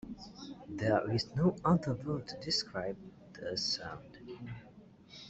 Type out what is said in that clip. There is no other word to describe the sound.